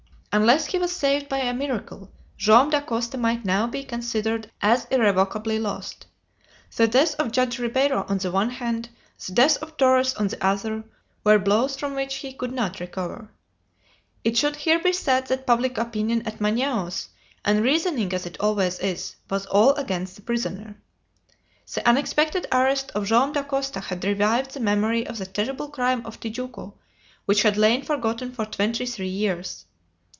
Unless he was saved by a miracle, Joam Dacosta might now be considered as irrevocably lost. The death of Judge Ribeiro on the one hand, the death of Torres on the other, were blows from which he could not recover! It should here be said that public opinion at Manaos, unreasoning as it always is, was all against he prisoner. The unexpected arrest of Joam Dacosta had revived the memory of the terrible crime of Tijuco, which had lain forgotten for twenty three years.